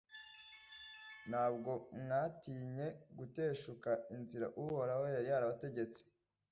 nta bwo mwatinye guteshuka inzira uhoraho yari yabategetse.